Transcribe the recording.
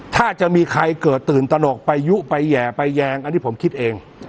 ถ้าจะมีใครเกิดตื่นตนกไปยุไปแห่ไปแยงอันนี้ผมคิดเอง